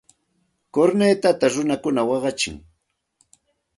Kurnitata runakuna waqachin.